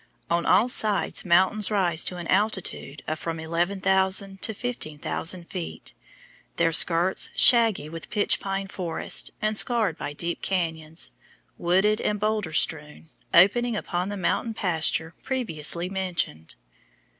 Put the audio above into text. On all sides mountains rise to an altitude of from 11,000 to 15,000 feet, their skirts shaggy with pitch pine forests, and scarred by deep canyons, wooded and boulder strewn, opening upon the mountain pasture previously mentioned.